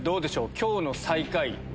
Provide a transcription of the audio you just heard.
今日の最下位。